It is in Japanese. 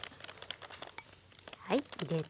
はい入れて。